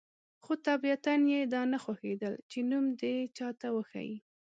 خو طبیعتاً یې دا نه خوښېدل چې نوم دې چاته وښيي.